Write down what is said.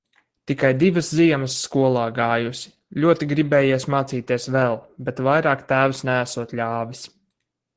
Tikai divas ziemas skolā gājusi. Ļoti gribējies mācīties vēl, bet vairāk tēvs neesot ļāvis.